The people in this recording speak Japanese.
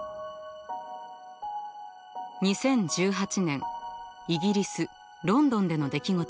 ２０１８年イギリス・ロンドンでの出来事です。